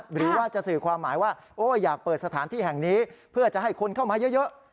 หรือว่าจะสื่อความหมายว่าอยากเปิดสถานที่แห่งนี้เพื่อจะให้คนเข้ามาเยอะ